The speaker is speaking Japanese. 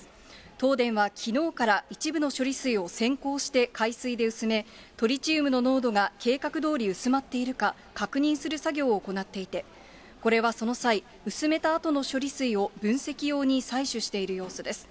東電はきのうから、一部の処理水を先行して海水で薄め、トリチウムの濃度が計画どおり薄まっているか、確認する作業を行っていて、これはその際、薄めたあとの処理水を分析用に採取している様子です。